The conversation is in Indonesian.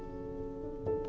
ketika mereka berpikir